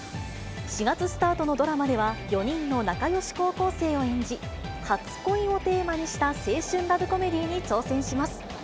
４月スタートのドラマでは、４人の仲よし高校生を演じ、初恋をテーマにした青春ラブコメディーに挑戦します。